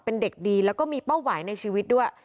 เป็นเด็กดีแล้วก็มีเป้าหมายในชีวิตด้วย